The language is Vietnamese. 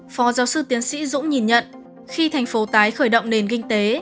phó giáo sư tiến sĩ dũng nhìn nhận khi tp hcm khởi động nền kinh tế